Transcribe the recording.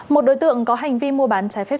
một đối tượng có hành vi mua bán trái phép